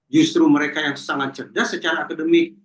justru mereka yang sangat cerdas secara akademik